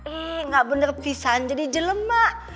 ih gak bener pisang jadi jelemak